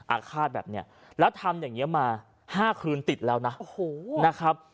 อาฆาตแบบนี้แล้วทำอย่างนี้มา๕คืนติดแล้วนะโอ้โหนะครับ